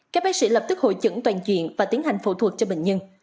các bác sĩ lập tức hội chẩn toàn chuyện và tiến hành phẫu thuật cho bệnh nhân